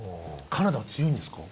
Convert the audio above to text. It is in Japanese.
カナダは強いんですか？